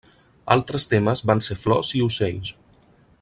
Altres temes van ser flors i ocells.